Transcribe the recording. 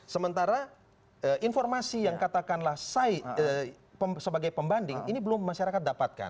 sementara informasi yang katakanlah sebagai pembanding ini belum masyarakat dapatkan